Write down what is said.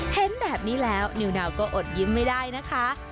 เห็นแบบนี้แล้วนิวนาวก็อดยิ้มไม่ได้นะคะ